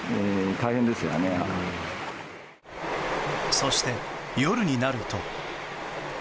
そして夜になると。